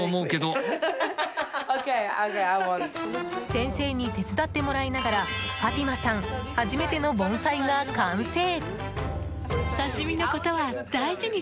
先生に手伝ってもらいながらファティマさん初めての盆栽が完成。